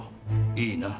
いいな？